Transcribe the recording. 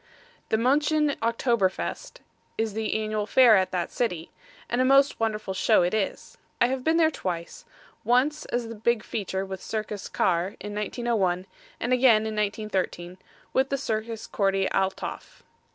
The Muenchen October Fest, is the annual fair at that city, and a most wonderful show it is. I have been there twice; once as the big feature with Circus Carre, in 1901, and again in 1913, with the Circus Corty Althoff.